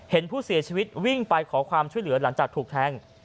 เห็นผู้เสียชีวิตวิ่งไปขอความช่วยเหลือหลังจากถูกแทง